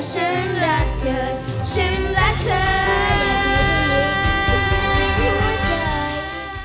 เสียงวีดอยู่ในโทรศัพท์แล้วค่ะ